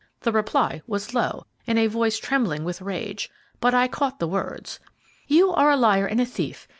The reply was low, in a voice trembling with rage, but I caught the words, 'You are a liar and a thief!